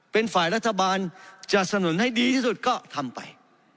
เป็นฝ่ายรัฐบาลจะสนุนให้ดีที่สุดก็ทำไป